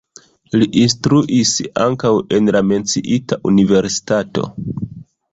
Li instruis ankaŭ en la menciita universitato.